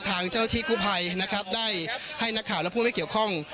ทางเจ้าที่กู้ภัยนะครับได้ให้นักข่าวและผู้ไม่เกี่ยวข้อง